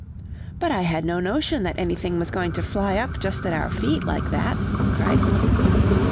"'But I had no notion that anything was going to fly up just at our feet like that,' cried he.